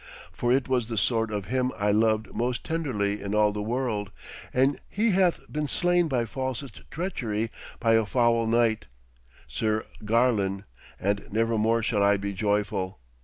For it was the sword of him I loved most tenderly in all the world, and he hath been slain by falsest treachery by a foul knight, Sir Garlon, and nevermore shall I be joyful.